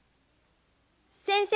先生。